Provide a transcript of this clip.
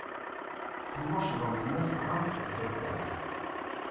Ḥnuccḍemt ma tabɣamt di taddart.